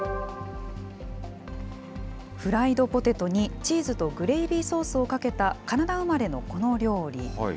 フライドポテトにチーズとグレイビーソースをかけたカナダ生まれのこの料理。